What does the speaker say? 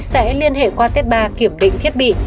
sẽ liên hệ qua tép ba kiểm định thiết bị